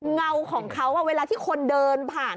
เงาของเขาเวลาที่คนเดินผ่าน